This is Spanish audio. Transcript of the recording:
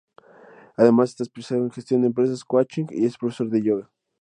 Además está especializado en Gestión de Empresas, Coaching y es profesor de yoga.